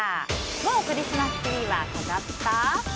もうクリスマスツリーは飾った？